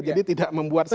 jadi tidak membuat satu